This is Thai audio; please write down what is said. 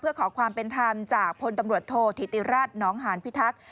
เพื่อขอความเป็นทัมจากคนมตรฯโทษถิติรัตรน้องห่านพิทักษ์